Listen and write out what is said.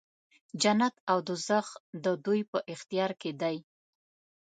جنت او دوږخ د دوی په اختیار کې دی.